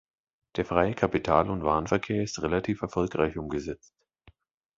Der freie Kapital- und Warenverkehr ist relativ erfolgreich umgesetzt.